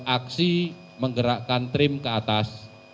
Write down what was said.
aksi menggerakkan trim ke atas